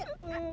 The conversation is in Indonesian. eh lepas gak